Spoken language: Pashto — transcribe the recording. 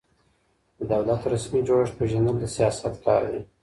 د دولت رسمي جوړښت پېژندل د سیاست کار دی.